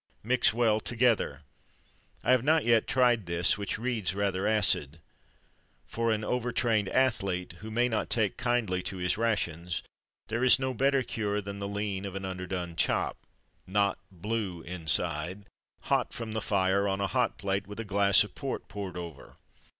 Mix well together. I have not yet tried this, which reads rather acid. For an Overtrained athlete, who may not take kindly to his rations, there is no better cure than the lean of an underdone chop (not blue inside) hot from the fire, on a hot plate, with a glass of port poured over.